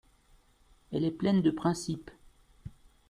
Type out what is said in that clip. Elle est pleine de principes.